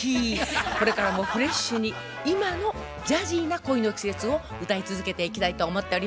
これからもフレッシュに今のジャジーな「恋の季節」を歌い続けていきたいと思っております。